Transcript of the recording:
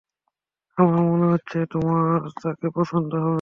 আমার মনে হচ্ছে তোমার তাকে পছন্দ হবে।